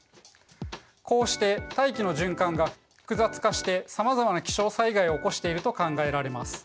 こうして大気の循環が複雑化してさまざまな気象災害を起こしていると考えられます。